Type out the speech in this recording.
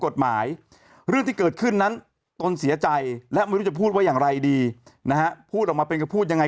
ดีนะฮะพูดออกมาเป็นก็พูดยังไง